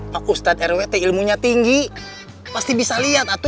pak ustadz rwt ilmunya tinggi pasti bisa lihat